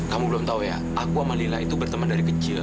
kamu belum tahu ya aku sama lila itu berteman dari kecil